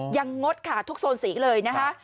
งดค่ะทุกโซนสีเลยนะคะ